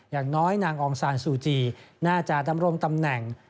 อย่างน้อยนางองซานซูจีน่าจะดำรงตำแหน่ง